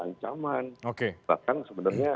ancaman bahkan sebenarnya